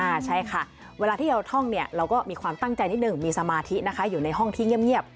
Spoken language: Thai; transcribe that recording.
ใช่ค่ะเวลาที่เราท่องเนี่ยเราก็มีความตั้งใจนิดหนึ่งมีสมาธินะคะอยู่ในห้องที่เงียบ